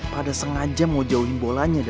pada sengaja mau jauhin bolanya dari gua